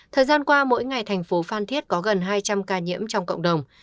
thời gian qua mỗi ngày thành phố phan thiết có gần hai trăm linh ca nhiễm trong cộng đồng